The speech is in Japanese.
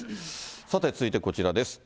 さて続いてこちらです。